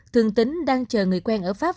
thương tín đang chờ người quen ở pháp